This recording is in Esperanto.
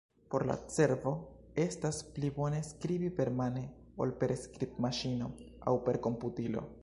Por la cerbo, estas pli bone skribi permane ol per skribmaŝino aŭ per komputilo.